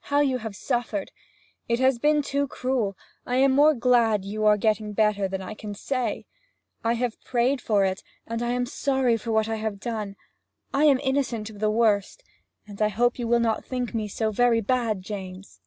'How you have suffered! It has been too cruel. I am more glad you are getting better than I can say. I have prayed for it and I am sorry for what I have done; I am innocent of the worst, and I hope you will not think me so very bad, James!'